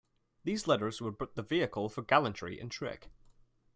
These letters were but the vehicle for gallantry and trick.